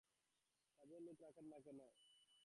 কাজের লোক রাখেন না কেন?